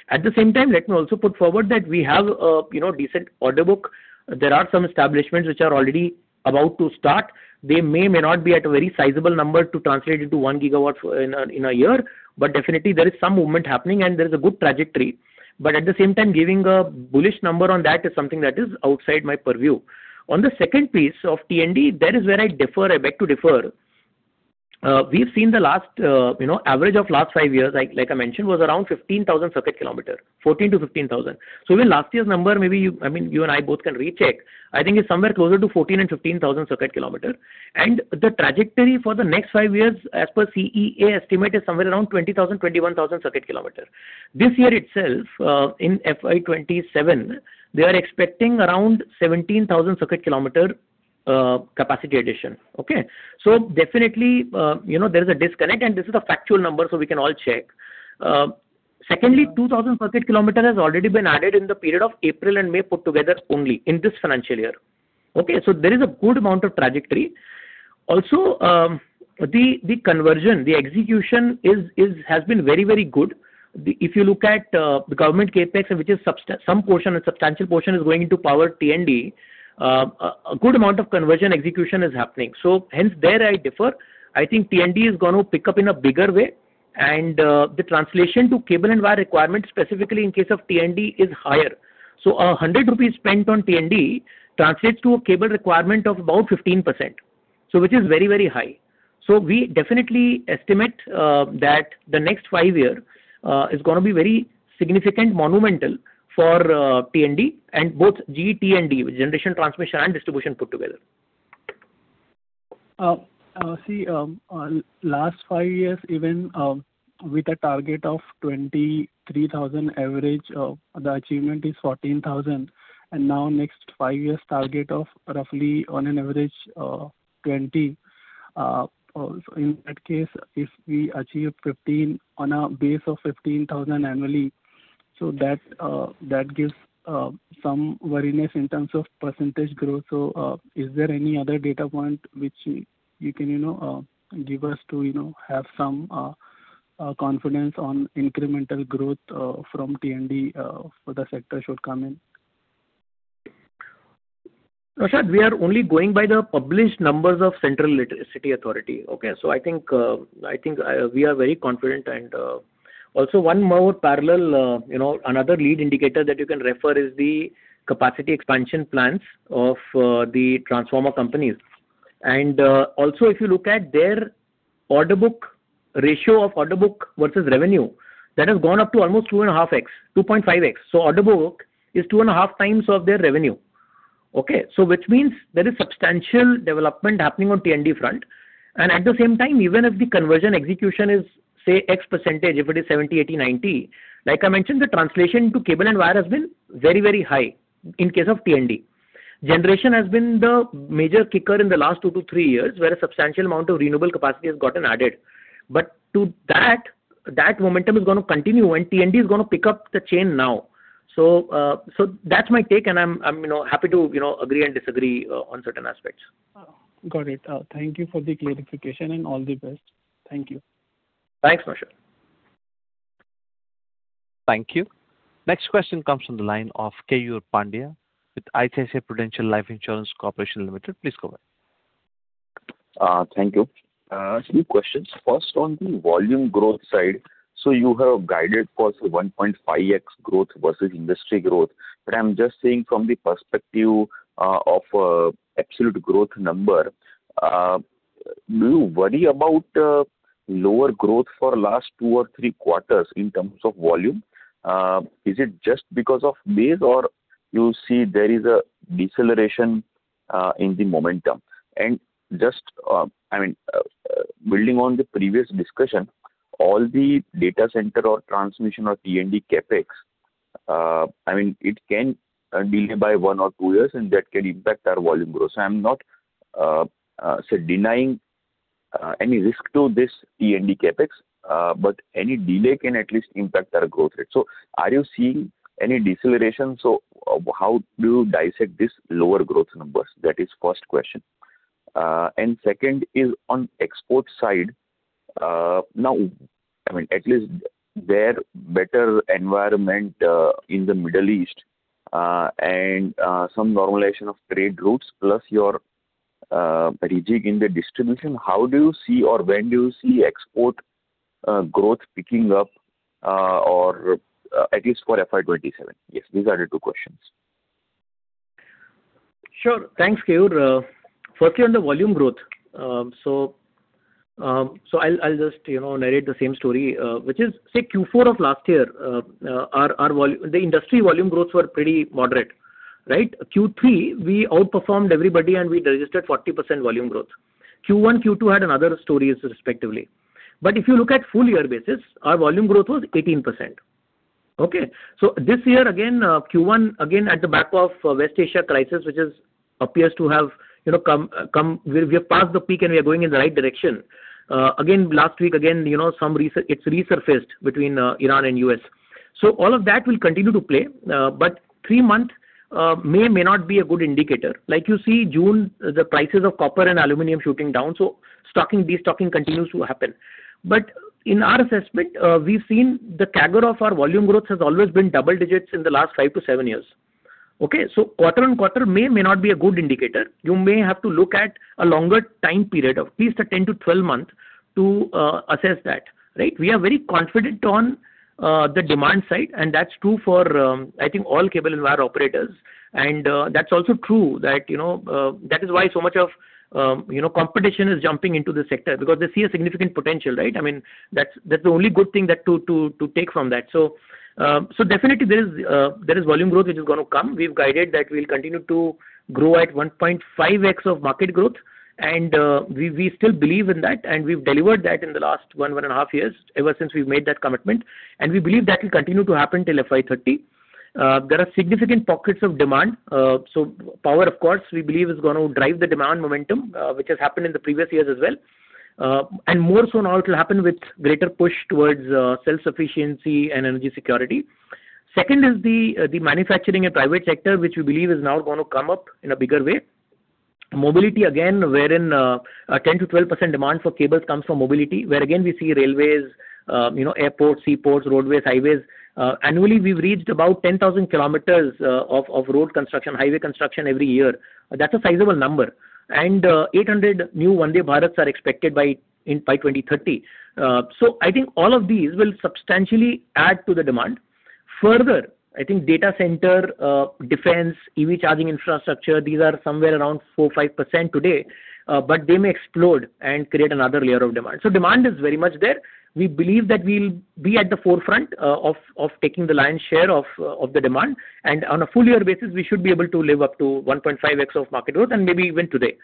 At the same time, let me also put forward that we have a decent order book. There are some establishments which are already about to start. They may not be at a very sizable number to translate into 1 GW in a year, but definitely there is some movement happening and there is a good trajectory. At the same time, giving a bullish number on that is something that is outside my purview. On the second piece of T&D, there is where I beg to differ. We've seen the average of last five years, like I mentioned, was around 15,000 circuit kilometer, 14,000-15,000. Even last year's number, maybe you and I both can recheck. I think it's somewhere closer to 14,000 and 15,000 circuit kilometer. The trajectory for the next five years, as per CEA estimate, is somewhere around 20,000-21,000 circuit kilometer. This year itself, in FY 2027, they are expecting around 17,000 circuit kilometer capacity addition. Definitely, there is a disconnect, and this is a factual number, so we can all check. Secondly, 2,000 circuit kilometer has already been added in the period of April and May put together only in this financial year. There is a good amount of trajectory. Also, the conversion, the execution has been very good. If you look at the government CapEx, some portion, a substantial portion, is going into power T&D. A good amount of conversion execution is happening. Hence, there I differ. I think T&D is going to pick up in a bigger way, and the translation to cable and wire requirements, specifically in case of T&D, is higher. 100 rupees spent on T&D translates to a cable requirement of about 15%. Which is very high. We definitely estimate that the next five year is going to be very significant, monumental for T&D and both GT&D, generation, transmission, and distribution put together. See, last five years even, with a target of 23,000 average, the achievement is 14,000. Now next five years target of roughly on an average, 20,000. In that case, if we achieve on a base of 15,000 annually, that gives some wariness in terms of percentage growth. Is there any other data point which you can give us to have some confidence on incremental growth from T&D for the sector should come in? Naushad, we are only going by the published numbers of Central Electricity Authority. I think we are very confident. Also one more parallel, another lead indicator that you can refer is the capacity expansion plans of the transformer companies. Also, if you look at their ratio of order book versus revenue, that has gone up to almost 2.5x. Order book is 2.5x of their revenue. Which means there is substantial development happening on T&D front. At the same time, even if the conversion execution is, say, X percentage, if it is 70%, 80%, 90%, like I mentioned, the translation to cable and wire has been very high in case of T&D. Generation has been the major kicker in the last two to three years, where a substantial amount of renewable capacity has gotten added. To that momentum is going to continue and T&D is going to pick up the chain now. That's my take, and I'm happy to agree and disagree on certain aspects. Got it. Thank you for the clarification, and all the best. Thank you. Thanks, Naushad. Thank you. Next question comes from the line of Keyur Pandya with ICICI Prudential Life Insurance Company Limited. Please go ahead. Thank you. Two questions. First, on the volume growth side. You have guided for 1.5x growth versus industry growth. I'm just saying from the perspective of absolute growth number, do you worry about lower growth for last two or three quarters in terms of volume? Is it just because of base, or you see there is a deceleration in the momentum? And just, building on the previous discussion, all the data center or transmission or T&D CapEx, it can delay by one or two years, and that can impact our volume growth. I'm not denying Any risk to this T&D CapEx, but any delay can at least impact our growth rate. Are you seeing any deceleration? How do you dissect these lower growth numbers? That is first question. Second is on export side. At least there better environment in the Middle East and some normalization of trade routes, plus your rejig in the distribution. How do you see or when do you see export growth picking up, or at least for FY 2027? Yes. These are the two questions. Sure. Thanks, Keyur. Firstly, on the volume growth. I'll just narrate the same story, which is, say Q4 of last year, the industry volume growths were pretty moderate. Right? Q3, we outperformed everybody, and we registered 40% volume growth. Q1, Q2 had another story, respectively. If you look at full year basis, our volume growth was 18%. Okay? This year, again, Q1, again, at the back of West Asia crisis, which appears to have passed the peak, and we are going in the right direction. Again, last week, again, it's resurfaced between Iran and U.S. All of that will continue to play. Three months may or may not be a good indicator. Like you see, June, the prices of copper and aluminum shooting down. Destocking continues to happen. In our assessment, we've seen the CAGR of our volume growth has always been double-digits in the last five to seven years. Quarter-on-quarter may or may not be a good indicator. You may have to look at a longer time period of at least 10-12 months to assess that. Right. We are very confident on the demand side, and that's true for, I think, all cable and wire operators. That's also true that is why so much competition is jumping into this sector because they see a significant potential, right? That's the only good thing to take from that. Definitely, there is volume growth which is going to come. We've guided that we'll continue to grow at 1.5x of market growth, and we still believe in that, and we've delivered that in the last 1.5 years, ever since we've made that commitment. We believe that will continue to happen till FY 2030. There are significant pockets of demand. Power, of course, we believe is going to drive the demand momentum, which has happened in the previous years as well. More so now it will happen with greater push towards self-sufficiency and energy security. Second is the manufacturing and private sector, which we believe is now going to come up in a bigger way. Mobility, again, wherein 10%-12% demand for cables comes from mobility, where again, we see railways, airports, seaports, roadways, highways. Annually, we've reached about 10,000 km of road construction, highway construction every year. That's a sizable number. 800 new Vande Bharats are expected by 2030. I think all of these will substantially add to the demand. Further, I think data center, defense, EV charging infrastructure, these are somewhere around 4%, 5% today, but they may explode and create another layer of demand. Demand is very much there. We believe that we'll be at the forefront of taking the lion's share of the demand. On a full year basis, we should be able to live up to 1.5x of market growth and maybe even today.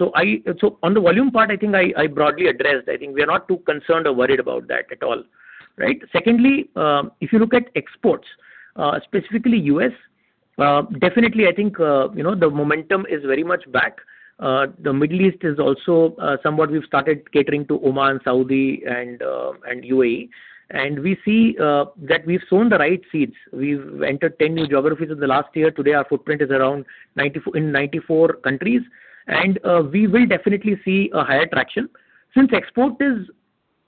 On the volume part, I think I broadly addressed. I think we are not too concerned or worried about that at all. Right? Secondly, if you look at exports, specifically U.S., definitely, I think the momentum is very much back. The Middle East is also somewhat we've started catering to Oman, Saudi, and UAE. We see that we've sown the right seeds. We've entered 10 new geographies in the last year. Today, our footprint is around in 94 countries, and we will definitely see a higher traction. Since export is,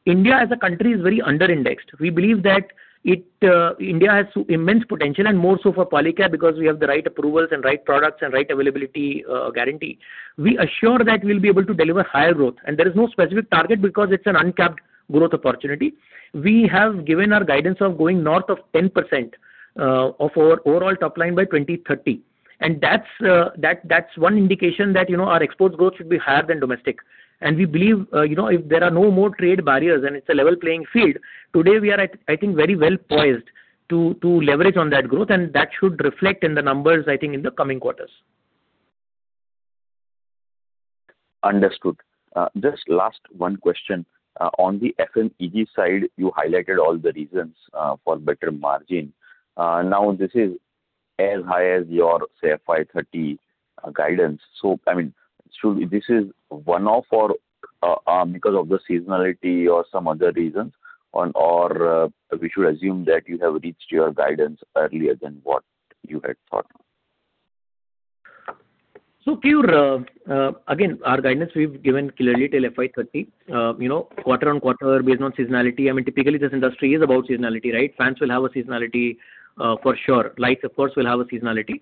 India as a country is very under-indexed. We believe that India has immense potential, and more so for Polycab because we have the right approvals and right products and right availability guarantee. We are sure that we'll be able to deliver higher growth, and there is no specific target because it's an uncapped growth opportunity. We have given our guidance of going north of 10% of our overall top line by 2030. That's one indication that our exports growth should be higher than domestic. We believe if there are no more trade barriers and it's a level playing field, today, we are, I think, very well poised to leverage on that growth, and that should reflect in the numbers, I think, in the coming quarters. Understood. Just last one question. On the FMEG side, you highlighted all the reasons for better margin. This is as high as your, say, FY 2030 guidance. Should this is one-off or because of the seasonality or some other reasons or we should assume that you have reached your guidance earlier than what you had thought? Keyur, again, our guidance we've given clearly till FY 2030. Quarter-on-quarter based on seasonality. Typically, this industry is about seasonality, right? Fans will have a seasonality for sure. Lights, of course, will have a seasonality.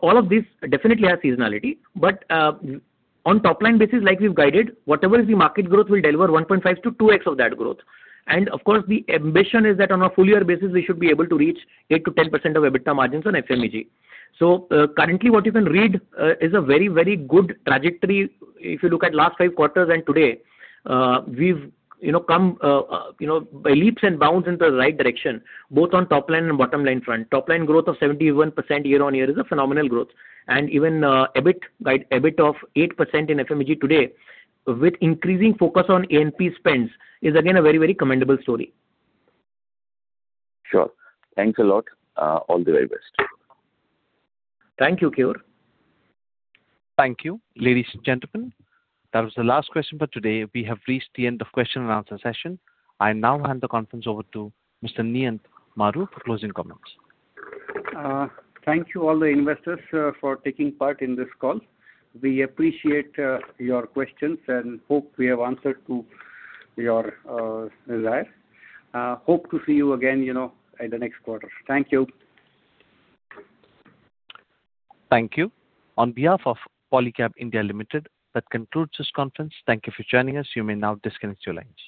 All of these definitely have seasonality. On top-line basis, like we've guided, whatever is the market growth, we'll deliver 1.5x-2x of that growth. Of course, the ambition is that on a full year basis, we should be able to reach 8%-10% of EBITDA margins on FMEG. Currently, what you can read is a very, very good trajectory if you look at last five quarters and today. We've come by leaps and bounds in the right direction, both on top line and bottom line front. Top line growth of 71% year-on-year is a phenomenal growth. Even EBIT of 8% in FMEG today with increasing focus on A&P spends is again a very, very commendable story. Sure. Thanks a lot. All the very best. Thank you, Keyur. Thank you. Ladies and gentlemen, that was the last question for today. We have reached the end of question and answer session. I now hand the conference over to Mr. Niyant Maru for closing comments. Thank you all the investors for taking part in this call. We appreciate your questions and hope we have answered to your desire. Hope to see you again in the next quarter. Thank you. Thank you. On behalf of Polycab India Limited, that concludes this conference. Thank you for joining us. You may now disconnect your lines.